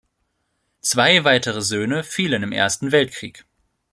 Zwei weitere Söhne fielen im Ersten Weltkrieg.